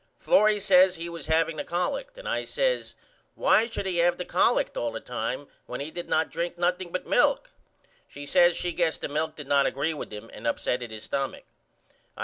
Florrie says he was haveing the collect and I says Why should he have the collect all the time when he did not drink nothing but milk? She says she guessed the milk did not agree with him and upsetted his stumach.